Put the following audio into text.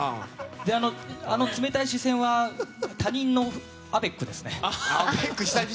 冷たい視線は他人のアベックですね。